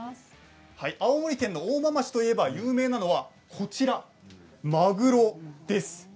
青森県の大間町といえば有名なのが、こちらマグロです。